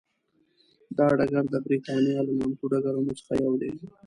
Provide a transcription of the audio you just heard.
دا ډګر د برېتانیا له نامتو ډګرونو څخه یو دی.